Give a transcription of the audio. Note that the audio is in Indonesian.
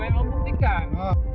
apa yang om buktikan